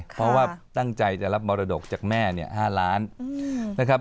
เพราะว่าตั้งใจจะรับมรดกจากแม่๕ล้านบาท